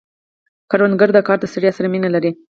کروندګر د کار د ستړیا سره مینه لري